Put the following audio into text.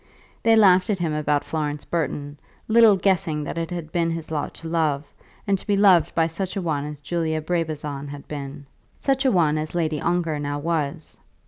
They laughed at him about Florence Burton, little guessing that it had been his lot to love, and to be loved by such a one as Julia Brabazon had been, such a one as Lady Ongar now was.